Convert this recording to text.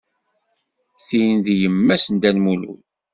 Tin d yemma-s n Dda Lmulud.